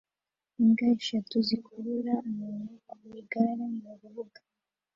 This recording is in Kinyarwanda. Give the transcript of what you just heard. Imbwa eshatu zikurura umuntu ku igare mu rubura